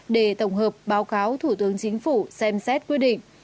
để tổng hợp báo cáo thủ tướng chính phủ xem xét quyết định